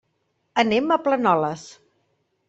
Anem a Planoles.